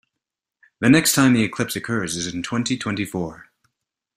The next time the eclipse occurs is in twenty-twenty-four.